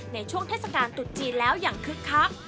ในช่วงเทศกาลตุดจีนแล้วอย่างคึกคัก